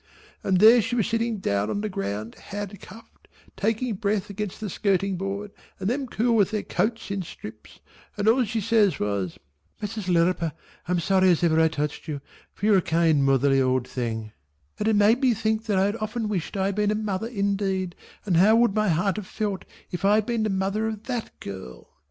And there she was sitting down on the ground handcuffed, taking breath against the skirting board and them cool with their coats in strips, and all she says was "Mrs. Lirriper I'm sorry as ever I touched you, for you're a kind motherly old thing," and it made me think that I had often wished I had been a mother indeed and how would my heart have felt if I had been the mother of that girl!